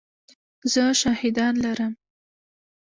زه شاهدان لرم !